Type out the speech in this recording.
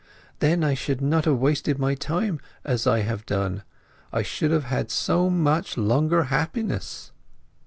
Then I should not have wasted my time as I have done—I should have had so much longer happiness!"